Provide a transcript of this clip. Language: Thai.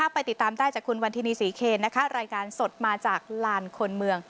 ไปติดตามได้จากคุณวันทินีศรีเคนนะคะรายการสดมาจากลานคนเมือง